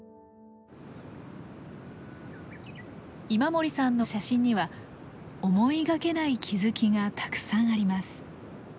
今森さんの写真には思いがけない気付きがたくさんあります。